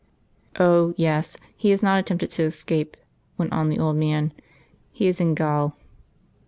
"Oh! yes; he has not attempted to escape," went on the old man. "He is in gaol."